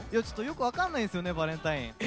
ちょっとよく分かんないんですよねバレンタイン。